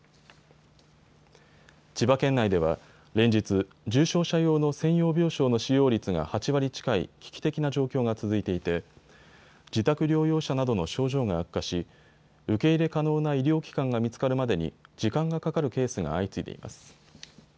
千葉県内では連日、重症者用の専用病床の使用率が８割近い危機的な状況が続いていて自宅療養者などの症状が悪化し受け入れ可能な医療機関が見つかるまでに時間がかかるケースが相次いでいます。